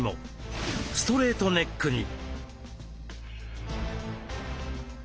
ストレートネックに。